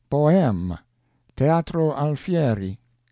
BOHEME. TEATRO ALFIERI.